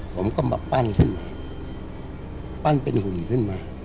ผมก็มาปั้นขึ้นมาปั้นเป็นหุ่นขึ้นมา